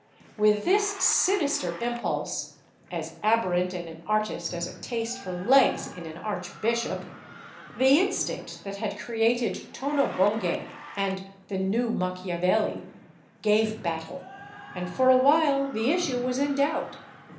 With this sinister impulse, as aberrant in an artist as a taste for legs in an archbishop, the instinct that had created "Tono Bungay" and "The New Machiavelli" gave battle, and for a while the issue was in doubt.